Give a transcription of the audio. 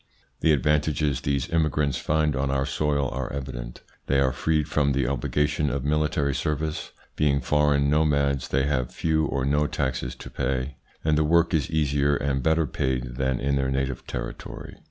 The advantages these immigrants find on our soil are evident. They are freed from the obligation of military service, being foreign nomads they have few or no taxes to pay, and the work is easier and better paid than in their native territory.